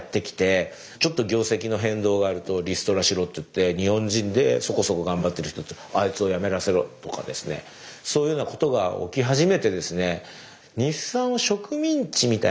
ちょっと業績の変動があるとリストラしろって言って日本人でそこそこ頑張ってる人たちをあいつをやめさせろとかですねそういうようなことが起き始めてですね